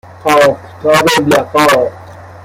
آفتاب لقا